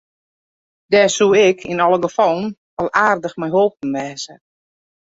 Dêr soe ik yn alle gefallen al aardich mei holpen wêze.